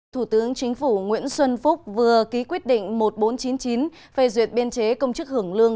thủ tướng chính phủ nguyễn xuân phúc vừa ký quyết định một nghìn bốn trăm chín mươi chín về duyệt biên chế công chức hưởng lương